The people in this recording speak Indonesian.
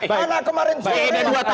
anak kemarin sore